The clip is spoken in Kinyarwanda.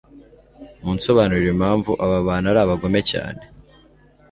munsobanurire impamvu aba bantu ari abagome cyane